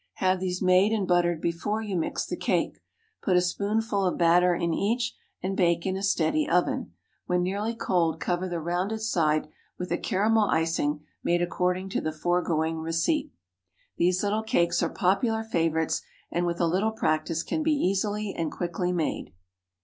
Have these made and buttered before you mix the cake; put a spoonful of batter in each, and bake in a steady oven. When nearly cold, cover the rounded side with a caramel icing, made according to the foregoing receipt. These little cakes are popular favorites, and with a little practice can be easily and quickly made.